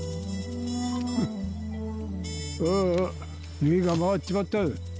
ああ酔いが回っちまった。